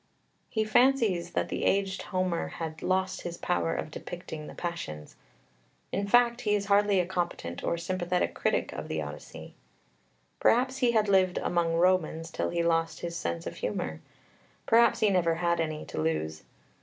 He fancies that the aged Homer had "lost his power of depicting the passions"; in fact, he is hardly a competent or sympathetic critic of the Odyssey. Perhaps he had lived among Romans till he lost his sense of humour; perhaps he never had any to lose.